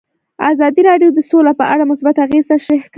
ازادي راډیو د سوله په اړه مثبت اغېزې تشریح کړي.